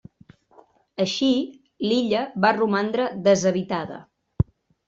Així, l'illa va romandre deshabitada.